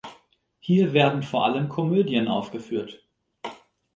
Hier werden vor allem Komödien aufgeführt.